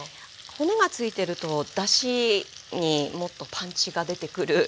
骨がついてるとだしにもっとパンチが出てくるような気がして。